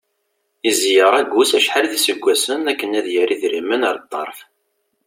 Izeyyeṛ agus acḥal d iseggasen akken ad yerr idrimen ar ṭṭerf.